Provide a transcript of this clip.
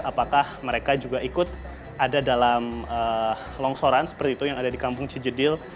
apakah mereka juga ikut ada dalam longsoran seperti itu yang ada di kampung cijedil